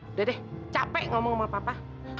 udah deh capek ngomong sama papa